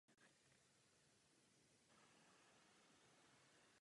Přijaté znění toto vůbec nezmiňuje.